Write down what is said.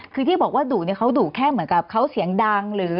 คือที่บอกว่าดุเนี่ยเขาดุแค่เหมือนกับเขาเสียงดังหรือ